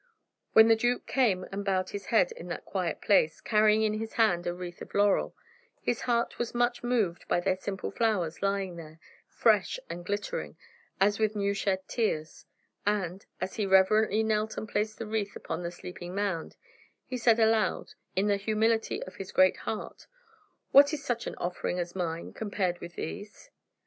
When the duke came and bowed his head in that quiet place, carrying in his hands a wreath of laurel, his heart was much moved by their simple flowers lying there, fresh and glittering, as with new shed tears; and, as he reverently knelt and placed the wreath upon the sleeping mound, he said aloud, in the humility of his great heart: "What is such an offering as mine, compared with these?"